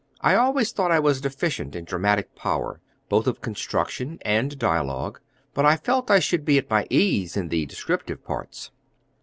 I always thought I was deficient in dramatic power, both of construction and dialogue, but I felt I should be at my ease in the descriptive parts."